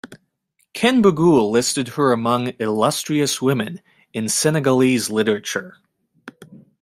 Ken Bugul listed her among "illustrious women" in Senegalese literature.